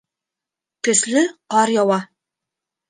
Көслө ҡар яуа